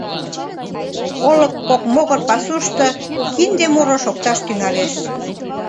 Олык кок могыр пасушто кинде муро шокташ тӱҥалеш.